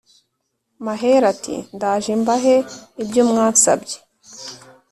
Mahero ati: ndaje mbahe ibyo mwansabye